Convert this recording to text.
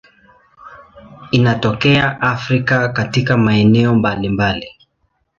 Inatokea Afrika katika maeneo mbalimbali.